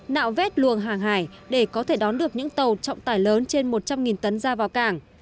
nạo vét luồng hàng hải để có thể đón được những tàu trọng tải lớn trên một trăm linh tấn ra vào cảng